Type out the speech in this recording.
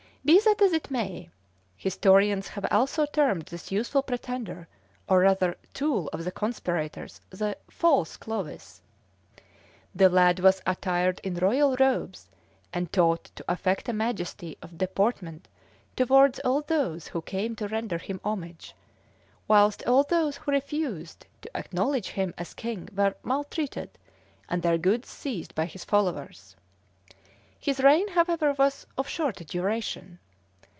Be that as it may, historians have also termed this youthful pretender, or rather tool of the conspirators, the false Clovis. The lad was attired in royal robes, and taught to affect a majesty of deportment towards all those who came to render him homage, whilst all those who refused to acknowledge him as king were maltreated, and their goods seized by his followers. His reign, however, was of short duration.